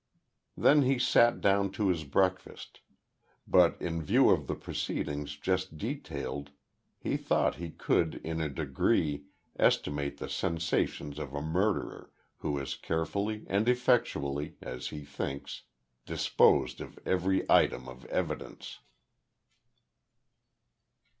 Then he sat down to his breakfast, but, in view of the proceedings just detailed he thought he could in a degree estimate the sensations of a murderer, who has carefully and effectually as he thinks disposed of every item of evidence.